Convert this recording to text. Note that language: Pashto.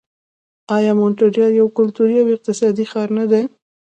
آیا مونټریال یو کلتوري او اقتصادي ښار نه دی؟